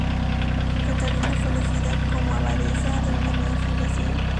Catalina fue elegida como abadesa de una nueva fundación.